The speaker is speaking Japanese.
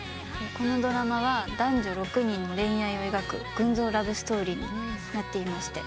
このドラマは男女６人の恋愛を描く群像ラブストーリーになっていまして。